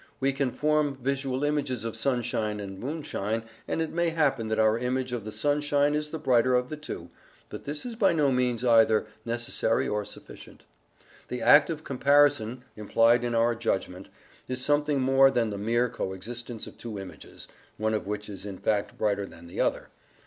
We can form visual images of sunshine and moonshine, and it may happen that our image of the sunshine is the brighter of the two, but this is by no means either necessary or sufficient. The act of comparison, implied in our judgment, is something more than the mere coexistence of two images, one of which is in fact brighter than the other.